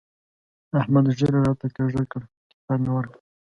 احمد ږيره راته کږه کړه؛ کتاب مې ورکړ.